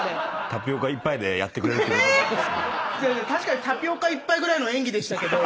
確かにタピオカ１杯ぐらいの演技でしたけど。